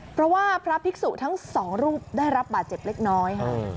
เพราะว่าพระภิกษุทั้งสองรูปได้รับบาดเจ็บเล็กน้อยค่ะ